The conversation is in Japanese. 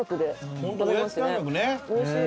おいしい。